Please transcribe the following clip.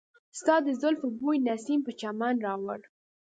ستا د زلفو بوی نسیم په چمن راوړ.